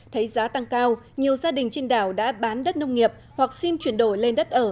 thấy giá tăng cao nhiều gia đình trên đảo đã bán đất nông nghiệp hoặc xin chuyển đổi lên đất ở